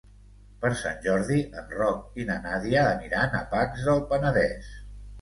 Per Sant Jordi en Roc i na Nàdia aniran a Pacs del Penedès.